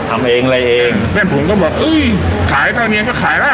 ทำเองอะไรเองเพื่อนผมก็บอกเอ้ยขายข้าวเนี้ยงก็ขายล่ะ